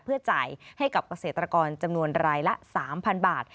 เพื่อจ่ายให้กับเกษตรกรจำนวนรายละ๓๐๐๐บาท